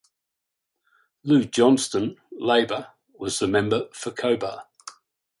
Lew Johnstone (Labor) was the member for Cobar.